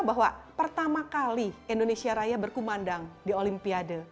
bahwa pertama kali indonesia raya berkumandang di olimpiade